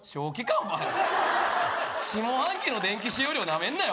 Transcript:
お前下半期の電気使用量ナメんなよ